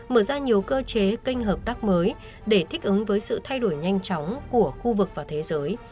mở ra nhiều cơ chế kênh hợp tác mới để thích ứng với sự thay đổi nhanh chóng của khu vực và thế giới